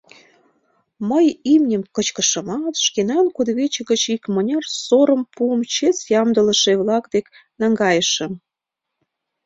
Мый имньым кычкышымат, шкенан кудывече гыч икмыняр сорым пуым чес ямдылыше-влак дек наҥгайышым.